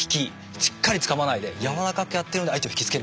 しっかりつかまないで柔らかくやってるんで相手を引き付ける。